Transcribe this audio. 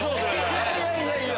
いやいやいやいや。